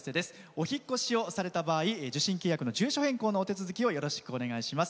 お引っ越しをされた場合受信契約の住所変更のお手続きをよろしくお願いします。